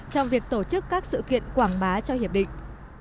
trong việc tổ chức các sự kiện quảng bá cho hiệp định